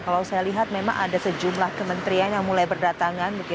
kalau saya lihat memang ada sejumlah kementerian yang mulai berdatangan